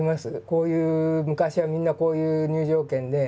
こういう昔はみんなこういう入場券で。